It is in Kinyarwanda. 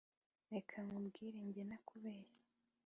Reka nkubwire jye ntakubeshya